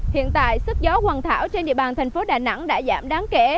hiện tại sức gió hoàng thảo trên địa bàn thành phố đà nẵng đã giảm đáng kể